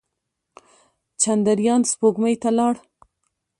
چندریان سپوږمۍ ته لاړ.